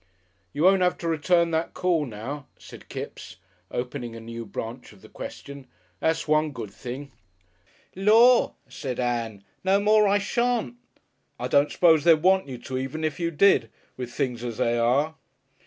"You won't 'ave to return that call now," said Kipps, opening a new branch of the question. "That's one good thing." "Lor'!" said Ann, visibly brightening, "no more I shan't!" "I don't s'pose they'd want you to, even if you did with things as they are."